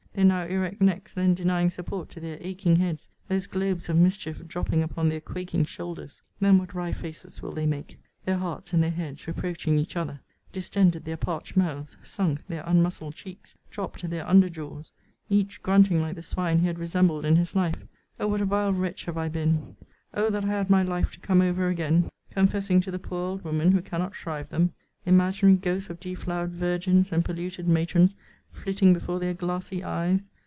their now erect necks then denying support to their aching heads; those globes of mischief dropping upon their quaking shoulders. Then what wry faces will they make! their hearts, and their heads, reproaching each other! distended their parched mouths! sunk their unmuscled cheeks! dropt their under jaws! each grunting like the swine he had resembled in his life! Oh! what a vile wretch have I been! Oh! that I had my life to come over again! Confessing to the poor old woman, who cannot shrive them! Imaginary ghosts of deflowered virgins, and polluted matrons, flitting before their glassy eyes!